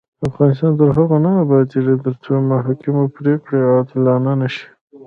افغانستان تر هغو نه ابادیږي، ترڅو د محاکمو پریکړې عادلانه نشي.